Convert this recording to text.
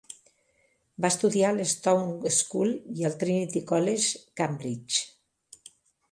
Va estudiar a Stowe School i al Trinity College, Cambridge.